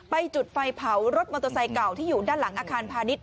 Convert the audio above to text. จุดไฟเผารถมอเตอร์ไซค์เก่าที่อยู่ด้านหลังอาคารพาณิชย